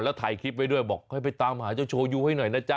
แล้วถ่ายคลิปไว้ด้วยบอกให้ไปตามหาเจ้าโชยูให้หน่อยนะจ๊